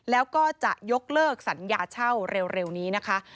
แล้วก็จะยกเลิกสัญญาเช่าเร็วนี้นะคะ